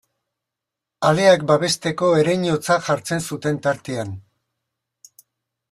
Aleak babesteko ereinotza jartzen zuten tartean.